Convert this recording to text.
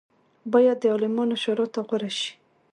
باید د عالمانو شورا ته غوره شي.